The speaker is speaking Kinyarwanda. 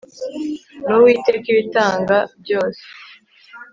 ni uwiteka ibitanga byose